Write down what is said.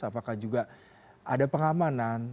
apakah juga ada pengamanan